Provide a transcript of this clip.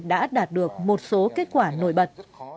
đã đạt được một số kết quả nổi bật